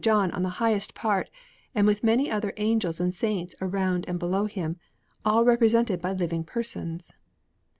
John on the highest part and with many other angels and saints around and below him, all represented by living persons.